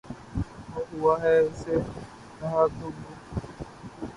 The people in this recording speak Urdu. وہ ہوا ہے اسے کہاں ڈھونڈوں